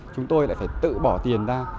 chúng tôi lại phải tự bỏ tiền ra